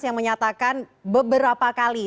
yang menyatakan beberapa kali